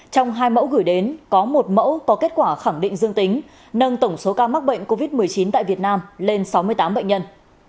trong hai mẫu gửi đến có một mẫu có kết quả khẳng định dương tính nâng tổng số ca mắc bệnh covid một mươi chín tại việt nam lên sáu mươi tám bệnh nhân